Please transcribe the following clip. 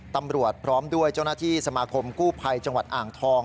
ตำรวจพร้อมด้วยเจ้าหน้าที่สมาคมกู้ภัยจังหวัดอ่างทอง